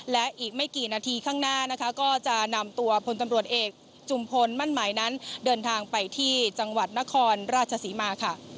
และอีกไม่กี่นาทีข้างหน้านะคะก็จะนำตัวพลตำรวจเอกจุมพลมั่นหมายนั้นเดินทางไปที่จังหวัดนครราชศรีมาค่ะ